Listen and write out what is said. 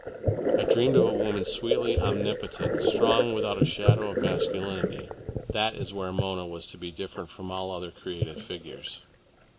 I dreamed of a woman sweetly omnipotent, strong without a shadow of masculinity. That is where my Mona was to be different from all other created figures."